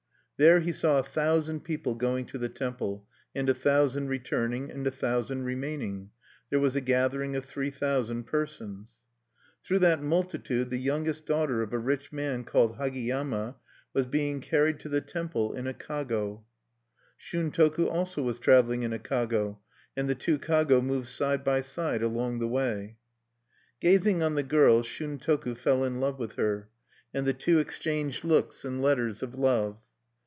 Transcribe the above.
There he saw a thousand people going to the temple, and a thousand returning, and a thousand remaining: there was a gathering of three thousand persons(1). Through that multitude the youngest daughter of a rich man called Hagiyama was being carried to the temple in a kago(2). Shuntoku also was traveling in a kago; and the two kago moved side by side along the way. Gazing on the girl, Shuntoku fell in love with her. And the two exchanged looks and letters of love.